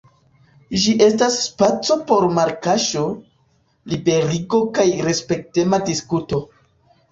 Ĝi estas spaco por malkaŝo, liberigo kaj respektema diskuto.